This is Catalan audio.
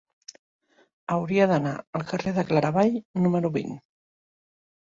Hauria d'anar al carrer de Claravall número vint.